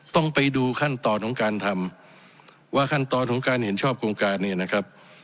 ต้องไปดูขั้นตอนของการทำว่าขั้นตอนของการเห็นชอบโครงการเนี่ยนะครับ